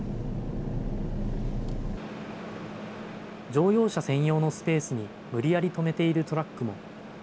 乗用車専用のスペースに無理やり止めているトラックも。